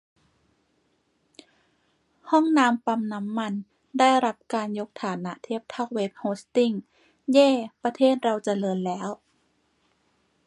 ห้องน้ำปั๊มน้ำมัน ได้รับการยกฐานะเทียบเท่า เว็บโฮสติ้ง เย้ ประเทศเราเจริญแล้ว !